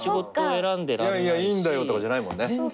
「いやいやいいんだよ」とかじゃないもんね。